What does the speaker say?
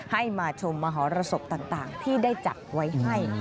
ให้มาชมมหรสบต่างที่ได้จัดไว้ให้